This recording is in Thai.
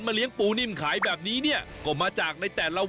วันนี้พาลงใต้สุดไปดูวิธีของชาวปักใต้อาชีพชาวเล่น